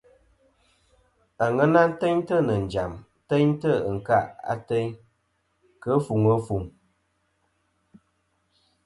Aŋena teyntɨ nɨ̀ njàm teyntɨ ɨnkâˈ ateyn kɨ ɨfuŋ ɨfuŋ.